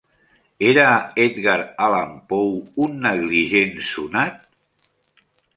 Era Edgar Allan Poe un negligent sonat?